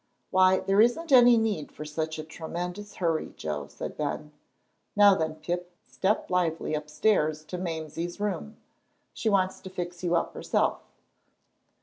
"Why, there isn't any need for such a tremendous hurry, Joe," said Ben. "Now then, Pip, step lively upstairs to Mamsie's room; she wants to fix you up herself."